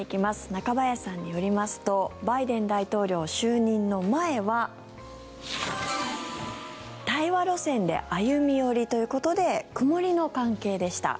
中林さんによりますとバイデン大統領就任の前は対話路線で歩み寄りということで曇りの関係でした。